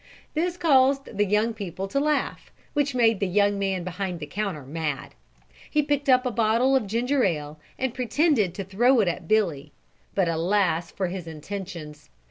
This caused the young people to laugh, which made the young man behind the counter mad. He picked up a bottle of ginger ale and pretended to throw it at Billy, but alas for his intentions!